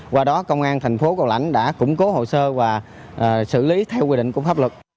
qua đó công an thành phố cầu lãnh đã củng cố hồ sơ và xử lý theo quy định của pháp luật